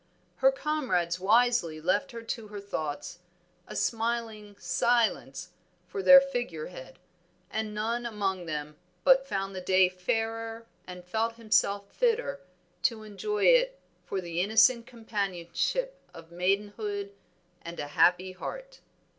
Her comrades wisely left her to her thoughts, a smiling Silence for their figure head, and none among them but found the day fairer and felt himself fitter to enjoy it for the innocent companionship of maidenhood and a happy heart.